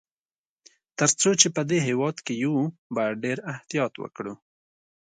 تر څو چي په دې هیواد کي یو، باید ډېر احتیاط وکړو.